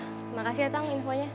terima kasih ya kang infonya